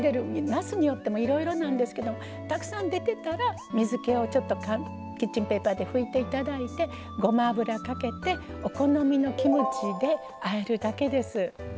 なすによってもいろいろなんですけどたくさん出てたら水けをキッチンペーパーで拭いていただいてごま油をかけてお好みのキムチであえるだけです。